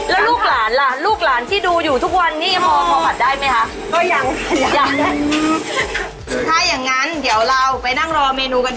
แล้วลูกหลานล่ะลูกหลานที่ดูอยู่ทุกวันนี้พอผัดได้ไหมคะ